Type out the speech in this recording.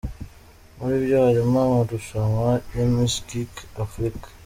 Muri byo harimo amarushanwa ya Miss Geek Afurika.